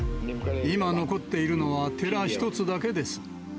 今残っているのは、寺１つだけです。